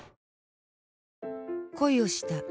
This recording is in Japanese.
恋をした。